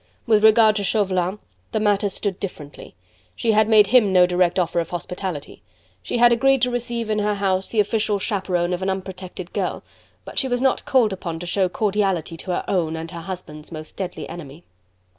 With regard to Chauvelin, the matter stood differently: she had made him no direct offer of hospitality: she had agreed to receive in her house the official chaperone of an unprotected girl, but she was not called upon to show cordiality to her own and her husband's most deadly enemy.